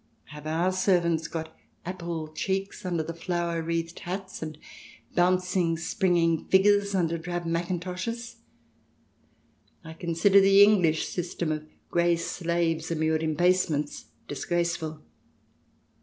" Have our servants got apple cheeks under flower wreathed hats, and bouncing, springing figures under drab mackintoshes ? I consider the English system of grey slaves immured in basements disgraceful.